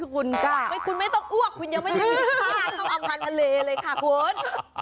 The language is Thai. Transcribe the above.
คุณกล้าคุณไม่ต้องอวกคุณยังไม่มีค่าในอำพันธาเลเลยค่ะคุณ